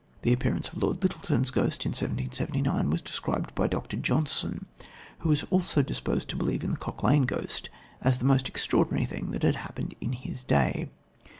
The appearance of Lord Lyttleton's ghost in 1779 was described by Dr. Johnson, who was also disposed to believe in the Cock Lane ghost, as the most extraordinary thing that had happened in his day.